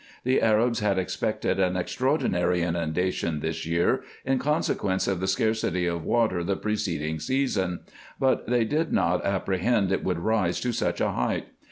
The Arabs had expected an extraordinary inundation this year, in consequence of the scarcity of water the preceding season ; but they did not ap prehend it would rise to such a height.